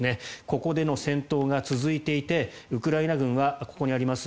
ここでの戦闘が続いていてウクライナ軍はここにあります